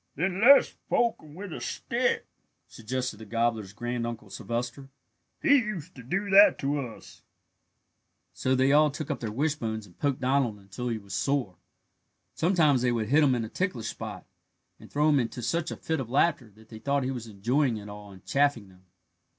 "Then let's poke him with a stick," suggested the gobbler's Granduncle Sylvester; "he used to do that to us." So they all took up their wishbones and poked Donald until he was sore. Sometimes they would hit him in a ticklish spot, and throw him into such a fit of laughter that they thought he was enjoying it all and chaffing them.